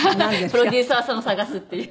プロデューサーさんを探すっていう。